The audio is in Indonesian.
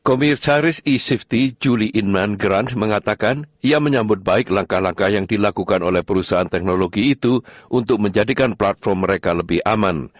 komisaris e safety julie inman granch mengatakan ia menyambut baik langkah langkah yang dilakukan oleh perusahaan teknologi itu untuk menjadikan platform mereka lebih aman